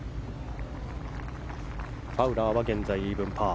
ファウラーは現在イーブンパー。